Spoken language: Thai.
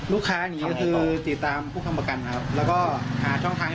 ลูกค้าก็เป็นตามผู้ครัฐประกันแล้วก็ก็หาช่องทางให้